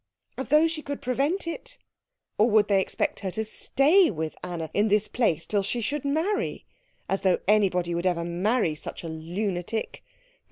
As though she could prevent it! Or would they expect her to stay with Anna in this place till she should marry? As though anybody would ever marry such a lunatic!